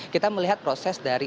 kita melihat proses dari